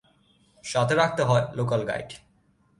সাথে রাখতে হয় লোকাল গাইড।